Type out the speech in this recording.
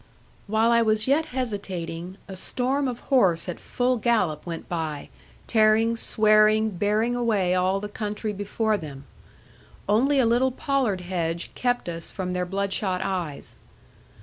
While I was yet hesitating, a storm of horse at full gallop went by, tearing, swearing, bearing away all the country before them. Only a little pollard hedge kept us from their blood shot eyes.